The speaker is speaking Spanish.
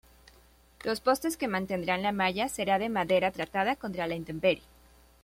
Los postes que mantendrán la malla será de madera tratada contra la intemperie.